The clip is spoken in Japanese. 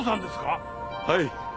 はい。